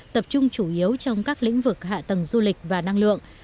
tập trung chủ yếu trong các lĩnh vực hạ tầng du lịch và năng lượng